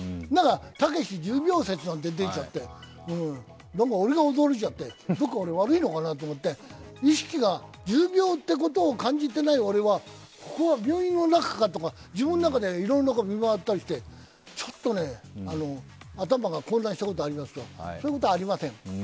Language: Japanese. たけし重病説なんて出ちゃって、俺が驚いちゃって、どっか俺悪いのかなと思っちゃって意識が重病ってことを感じてない俺は、ここは病院の中か？とか、自分の中でいろいろなところ見回ったりして、ちょっと頭が混乱したことがありますけどそういうことはありません。